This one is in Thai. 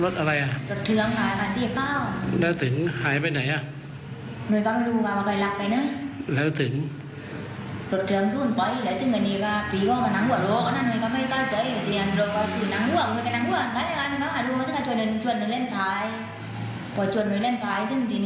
สวัสดิ์นี้ฮะ